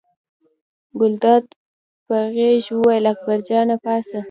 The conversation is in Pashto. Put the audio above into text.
ګلداد په غږ وویل اکبر جانه پاڅه.